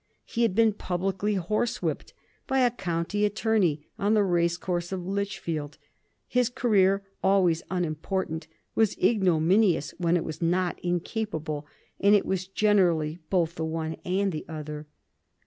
He had been publicly horsewhipped by a county attorney on the racecourse at Lichfield. His career, always unimportant, was ignominious when it was not incapable, and it was generally both the one and the other.